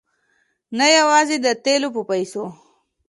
نه یوازې د تېلو په پیسو.